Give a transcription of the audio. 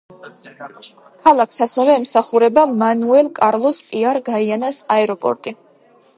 ქალაქს ასევე ემსახურება მანუელ კარლოს პიარ გაიანას აეროპორტი.